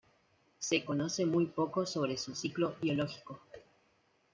Se conoce muy poco sobre su ciclo biológico.